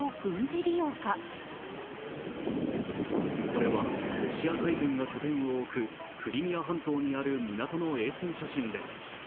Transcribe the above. これはロシア海軍が拠点を置くクリミア半島にある港の衛星写真です。